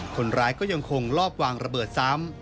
คนร้ายก็ยังคงลอบวางระเบิดซ้ำ